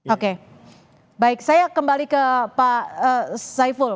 oke baik saya kembali ke pak saiful